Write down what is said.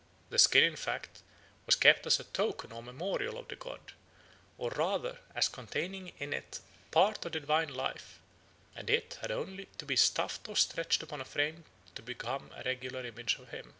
The skin in fact was kept as a token or memorial of the god, or rather as containing in it a part of the divine life, and it had only to be stuffed or stretched upon a frame to become a regular image of him.